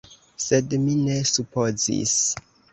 Sed mi ne supozis.